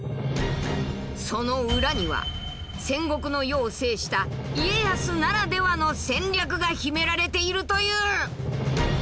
その裏には戦国の世を制した家康ならではの戦略が秘められているという。